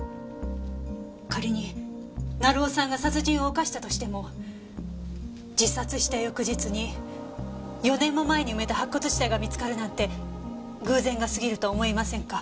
仮に成尾さんが殺人を犯したとしても自殺した翌日に４年も前に埋めた白骨死体が見つかるなんて偶然が過ぎると思いませんか？